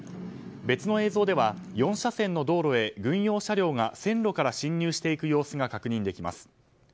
別の映像では４車線の道路に軍用車両が線路から侵入していく様子が確認できます。